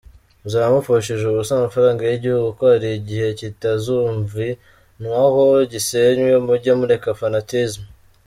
Muzaba mupfushije ubusa amafaranga y'igihugu kuko hari igihe kitazumvianwaho gisennywe! Mujye mureka fanatisme!.